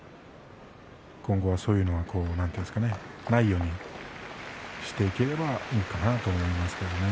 今後はそういうことはないようにしていければいいかなと思います。